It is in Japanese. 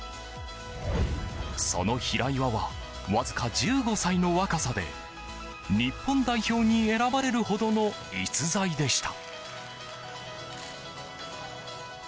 その平岩はわずか１５歳の若さで日本代表に選ばれるほどの逸材でした。